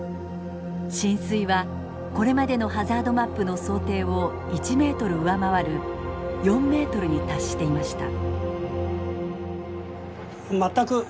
浸水はこれまでのハザードマップの想定を１ｍ上回る４ｍに達していました。